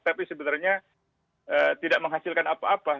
tapi sebenarnya tidak menghasilkan apa apa